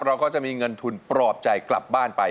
เราก็จะมีเงินทุนปลอบใจกลับบ้านไป